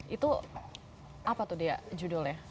itu apa tuh dia judulnya